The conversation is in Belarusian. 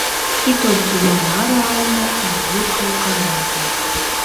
І толькі яна рэальна і дзірка ў канапе.